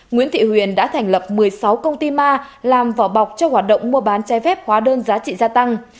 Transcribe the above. nguyễn thị huyền đã thành lập một mươi sáu công ty ma làm vỏ bọc cho hoạt động mua bán trái phép hóa đơn giá trị gia tăng